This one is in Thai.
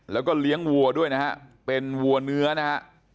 แล้วก็เลี้ยงวัวด้วยนะฮะเป็นวัวเนื้อนะฮะ